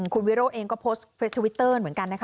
คุณวิโร่เองก็โพสต์เฟสทวิตเตอร์เหมือนกันนะคะ